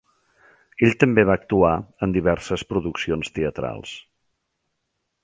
Ell també va actuar en diverses produccions teatrals.